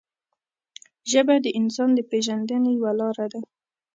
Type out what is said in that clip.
ژبه د انسان د پېژندنې یوه لاره ده